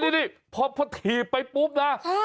นี่พอถีบไปปุ๊บนะ